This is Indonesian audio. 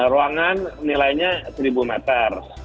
ruangan nilainya seribu meter